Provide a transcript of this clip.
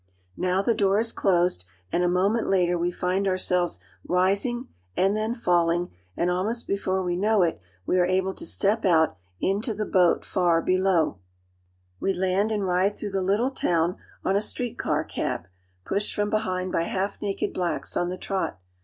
Now the door is closed ; and a moment later we feel ourselves rising and then falling, and almost before we know it we are able to step out into the boat far below. 270 AFRICA We land and ride through the little town on a street car cab, pushed from behind by half naked blacks on the trot.